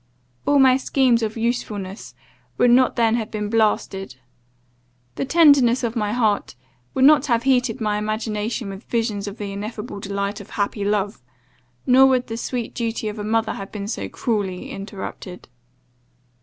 All my schemes of usefulness would not then have been blasted. The tenderness of my heart would not have heated my imagination with visions of the ineffable delight of happy love; nor would the sweet duty of a mother have been so cruelly interrupted.